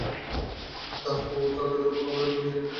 The Who তাদের rock opera "Tommy" সেখানে পরিবেশন করেছিল।